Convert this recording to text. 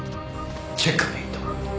チェックメイト。